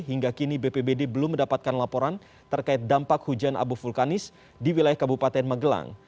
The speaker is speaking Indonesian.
hingga kini bpbd belum mendapatkan laporan terkait dampak hujan abu vulkanis di wilayah kabupaten magelang